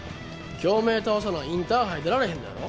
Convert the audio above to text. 京明倒さなインターハイ出られへんのやろ？